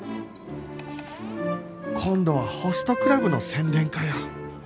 今度はホストクラブの宣伝かよ